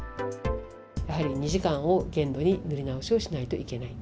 やはり２時間を限度に塗り直しをしないといけない。